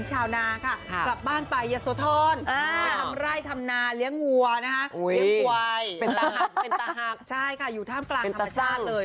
ใช่ค่ะอยู่ท่ามกลางธรรมชาติเลย